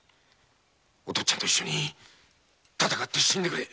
父ちゃんと一緒に闘って死んでくれ。